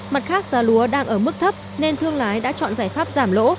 mặt khác giá lúa đang ở mức thấp nên thương lái đã chọn giải pháp giảm lỗ